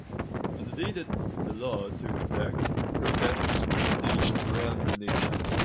On the day that the law took effect, protests were staged around the nation.